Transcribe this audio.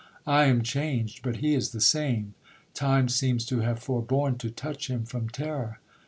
I am changed, but he is the same—time seems to have forborne to touch him from terror.